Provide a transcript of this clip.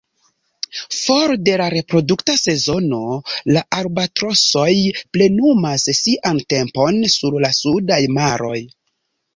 For de la reprodukta sezono, la albatrosoj plenumas sian tempon sur la sudaj maroj.